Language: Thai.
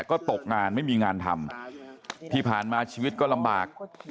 ก็ตกงานไม่มีงานทำที่ผ่านมาชีวิตก็ลำบาก